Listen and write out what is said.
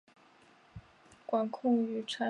湿气的管控是与产品的良率是息息相关的。